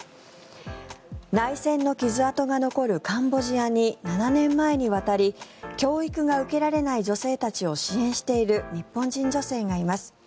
内戦の傷痕が残るカンボジアに７年前に渡り教育が受けられない女性たちを支援している日本人女性がいます。